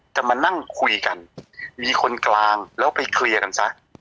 จะมานั่งคุยกันมีคนกลางแล้วไปเคลียร์กันซะ